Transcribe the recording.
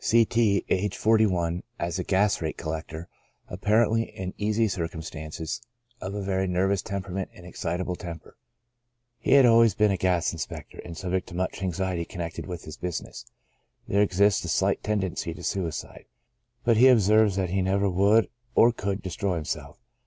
C. T —, aged 41, a gas rate collector, apparently in easy circumstances, of a very nervous temperament and excitable 68 CHRONIC ALCOHOLISM. temper. He had also been a gas inspector, and subject to much anxiety connected with his business. There exists a slight tendency to suicide, but he observes that he never would or could destroy himself.